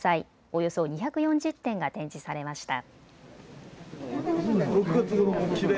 およそ２４０点が展示されました。